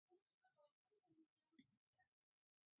Тамакым шупшын темын, Йыгнат чарашке уэш лекте — йӱр утыр веле тӱҥале.